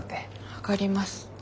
分かります。